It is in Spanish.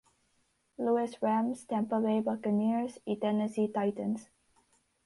Louis Rams, Tampa Bay Buccaneers y Tennessee Titans.